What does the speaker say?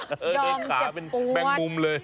เดินขาเป็นแบงกุมเลย